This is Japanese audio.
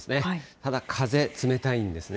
ただ風、冷たいんですね。